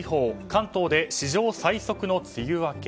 関東で史上最速の梅雨明け。